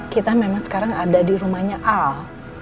kita memang sekarang ada di rumahnya al